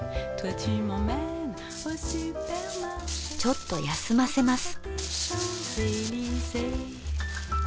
ちょっと休ませます。